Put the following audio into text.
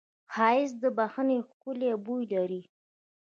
ښایست د بښنې ښکلی بوی لري